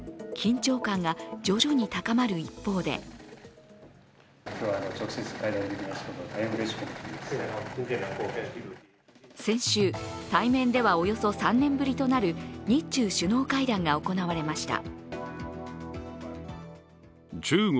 緊張感が徐々に高まる一方で先週、対面ではおよそ３年ぶりとなる日中首脳会談が行われました。